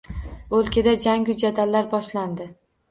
Oʻlkada jangu jadallar boshlandi